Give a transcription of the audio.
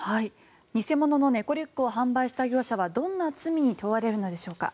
偽物の猫リュックを販売した業者はどんな罪に問われるのでしょうか。